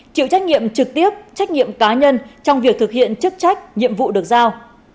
chịu trách nhiệm trực tiếp trách nhiệm cá nhân trong việc thực hiện chức trách nhiệm vụ được giao